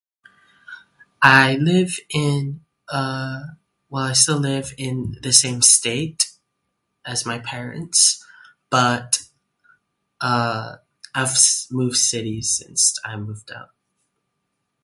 I live in, uh, well, I still live in the same state as my parents. But, uh, I've moved cities since I've moved out.